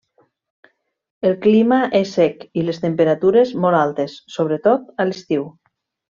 El clima és sec i les temperatures molt altes, sobretot a l'estiu.